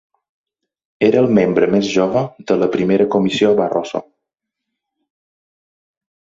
Era el membre més jove de la primera comissió Barroso.